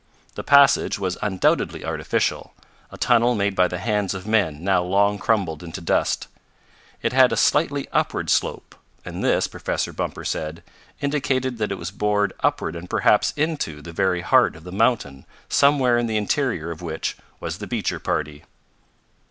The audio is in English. The passage was undoubtedly artificial, a tunnel made by the hands of men now long crumbled into dust. It had a slightly upward slope, and this, Professor Bumper said, indicated that it was bored upward and perhaps into the very heart of the mountain somewhere in the interior of which was the Beecher party.